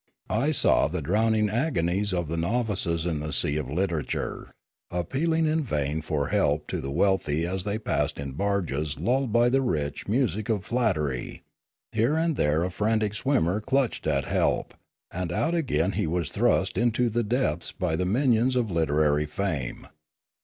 I saw the drowning agonies of the novices in the sea of literature, appealing in vain for help to the wealthy as they passed in barges lulled by the rich music of flattery; here and there a frantic swimmer clutched at help, and out again he was thrust into the depths by the minions of literary fame.